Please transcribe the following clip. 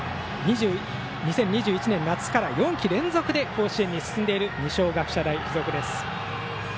２０２１年夏から４季連続で甲子園に進んでいる二松学舎大付属です。